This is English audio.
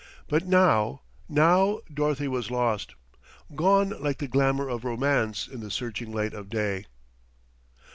But now now Dorothy was lost, gone like the glamour of Romance in the searching light of day.